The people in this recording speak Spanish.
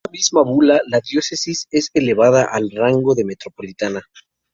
En esta misma bula la diócesis es elevada al rango de metropolitana.